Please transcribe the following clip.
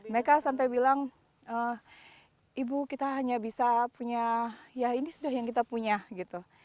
mereka sampai bilang ibu kita hanya bisa punya ya ini sudah yang kita punya gitu